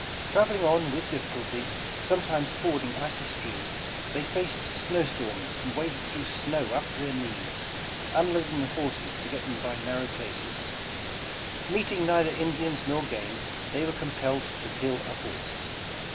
Traveling on with difficulty, some times fording icy streams, they faced snow storms and waded through snow up to their knees, unloading the horses to get them by narrow places. Meeting neither Indians nor game, they were com pelled to kill a horse.